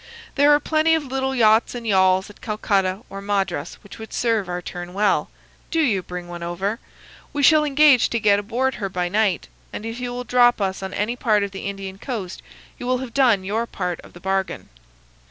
There are plenty of little yachts and yawls at Calcutta or Madras which would serve our turn well. Do you bring one over. We shall engage to get aboard her by night, and if you will drop us on any part of the Indian coast you will have done your part of the bargain.